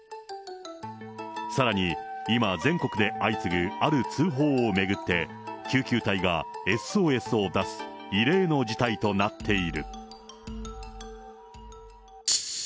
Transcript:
さらに、今、全国で相次ぐある通報を巡って、救急隊がＳＯＳを出す異例の事態となっている。